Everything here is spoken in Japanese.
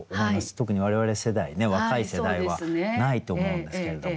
特に我々世代ね若い世代はないと思うんですけれども。